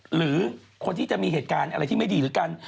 หรือคนที่จะมีเหตุการณ์อะไรที่ไม่ดีหรือกัน